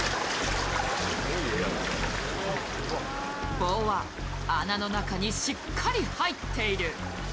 棒は穴の中にしっかり入っている。